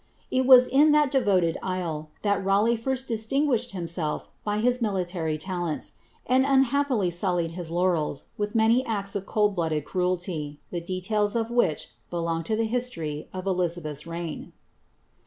It was in that devoted Raleigh first distinguished himself by his miliuirj talenLs, and ni sullied his laurels with many acts of colrl blooiled cruelty, th' of which belong to the history of Elizabeth's reign.